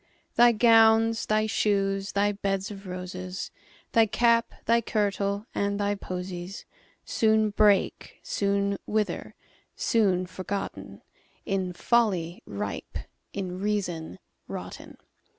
Thy gowns, thy shoes, thy beds of roses, Thy cap, thy kirtle, and thy posies, Soon break, soon wither—soon forgotten, In folly ripe, in reason rotten.